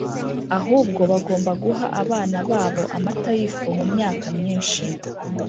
ahubwo bagomba guha abana babo amata y ifu Mu myaka myinshi